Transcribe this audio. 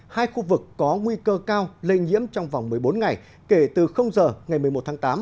hai khu vực có nguy cơ cao lây nhiễm trong vòng một mươi bốn ngày kể từ giờ ngày một mươi một tháng tám